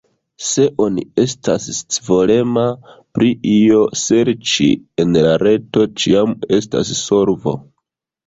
Se oni estas scivolema pri io, serĉi en la reto ĉiam estas solvo.